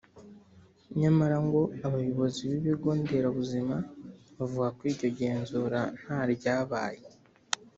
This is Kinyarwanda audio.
nyamara ngo ‘abayobozi b’ibigo nderabuzima bavuga ko iryo genzura nta ryabaye